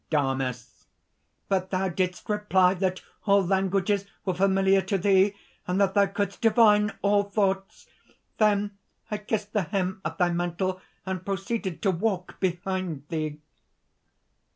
DAMIS. "But thou didst reply that all languages were familiar to thee, and that thou couldst divine all thoughts. Then I kissed the hem of thy mantle, and proceeded to walk behind thee."